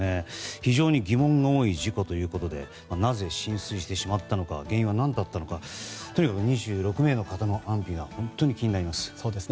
非常に疑問の多い事故ということでなぜ浸水してしまったのか原因は何だったのかとにかく２６名の方の安否が本当に気になります。